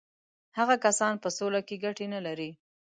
هغه کسان په سوله کې ګټې نه لري.